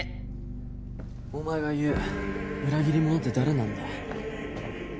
お前の言う裏切り者って誰なんだ？